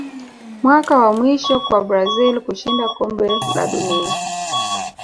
mwaka wa mwisho kwa brazil kushinda kombe la dunia